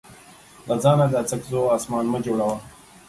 له ځانه د اڅکزو اسمان مه جوړوه.